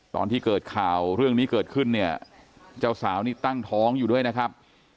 ตอนที่เกิดข่าวเรื่องนี้เกิดขึ้นเนี่ยเจ้าสาวนี่ตั้งท้องอยู่ด้วยนะครับ